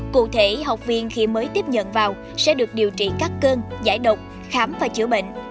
cụ thể học viên khi mới tiếp nhận vào sẽ được điều trị các cơn giải độc khám và chữa bệnh